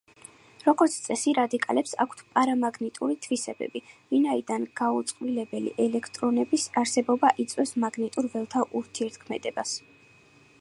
როგორც წესი, რადიკალებს აქვთ პარამაგნიტური თვისებები, ვინაიდან გაუწყვილებელი ელექტრონების არსებობა იწვევს მაგნიტურ ველთან ურთიერთქმედებას.